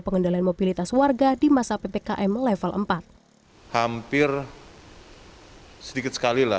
pengendalian mobilitas warga di masa ppkm level empat